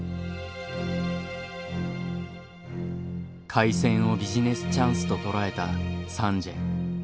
開戦をビジネスチャンスと捉えたサンジエ。